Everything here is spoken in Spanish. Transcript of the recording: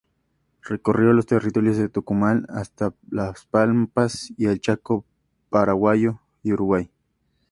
Recorrió los territorios de Tucumán hasta las pampas y el Chaco Paraguayo y Uruguay.